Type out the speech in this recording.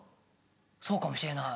そうかもしれない。